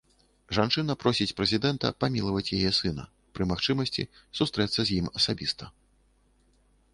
Жанчына просіць прэзідэнта памілаваць яе сына, пры магчымасці сустрэцца з ім асабіста.